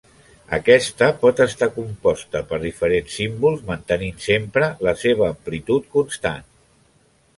Aquesta pot estar composta per diferents símbols mantenint sempre la seva amplitud constant.